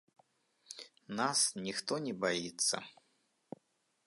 Нас ніхто не баіцца.